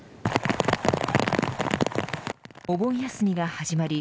お盆休みが始まり